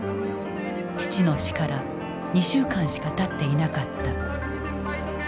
父の死から２週間しかたっていなかった。